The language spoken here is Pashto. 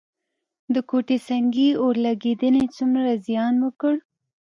د کوټه سنګي اورلګیدنې څومره زیان وکړ؟